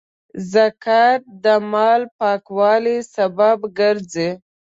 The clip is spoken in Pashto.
زکات د مال پاکوالي سبب ګرځي.